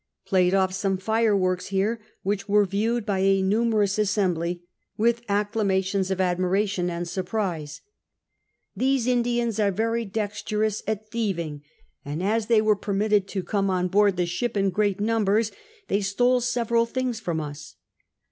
Played olf some fireworks here, which were viewed by a numerous assembly, wdth acclamations of ad miration and surprise. Tliese Indians are very dexterous at thieving, and as they were permitted to come on 1)oard the ship in great numbers, they stole several things from us.